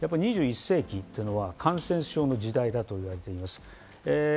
２１世紀は感染症の時代だともいわれています。